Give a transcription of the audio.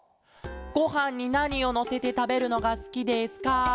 「ごはんになにをのせてたべるのがすきですか？